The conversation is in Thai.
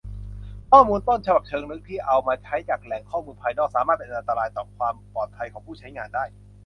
ข้อมูลต้นฉบับเชิงลึกที่เอามาใช้จากแหล่งข้อมูลภายนอก สามารถเป็นอันตรายต่อความปลอดภัยของผู้ใช้งานได้